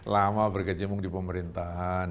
lama berkecimpung di pemerintahan